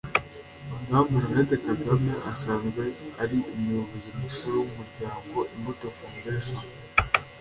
Madame Jeannette Kagame asanzwe ari umuyobozi mukuru w’umuryango Imbuto Foundation